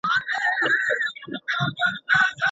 د سطحي لوستلو په پرتله لیکل ژوره پوهه غواړي.